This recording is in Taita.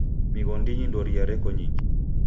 Mighondinyi ndoria reko nyingi.